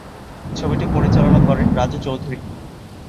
ছবিটি পরিচালনা করেন রাজু চৌধুরী।